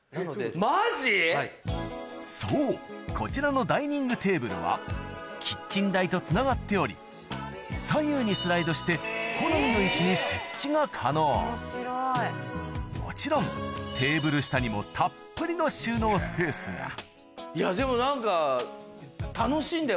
マジ⁉そうこちらのダイニングテーブルはキッチン台とつながっており左右にスライドしてもちろんテーブル下にもたっぷりのいやでも何か。